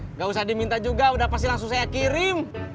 nggak usah diminta juga udah pasti langsung saya kirim